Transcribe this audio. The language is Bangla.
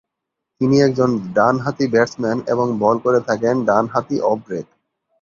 তিনি একজন ডান-হাতি ব্যাটসম্যান এবং বল করে থাকেন ডান-হাতি অফ-ব্রেক।